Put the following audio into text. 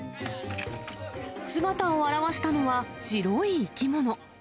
姿を現したのは白い生き物。